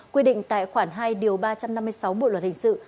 quy định tại khoảng hai ba trăm năm mươi sáu bộ luật hình sự